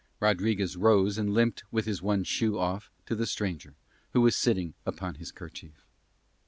Rodriguez rose and limped with his one shoe off to the stranger, who was sitting upon his kerchief.